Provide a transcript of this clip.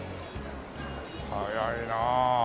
早いなあ。